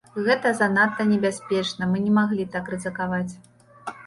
Гэта занадта небяспечна, мы не маглі так рызыкаваць!